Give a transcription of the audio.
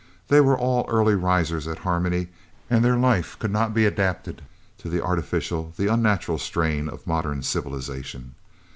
They were all early risers at Harmony and their life could not be adapted to the artificial, the unnatural strain of modern civilisation.